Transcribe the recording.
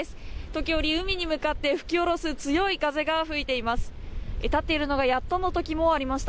時折海に向かって吹き下ろす強い風が吹いています。